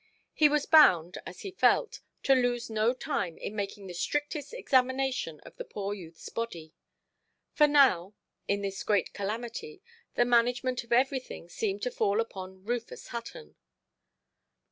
He was bound, as he felt, to lose no time in making the strictest examination of the poor youthʼs body. For now, in this great calamity, the management of everything seemed to fall upon Rufus Hutton.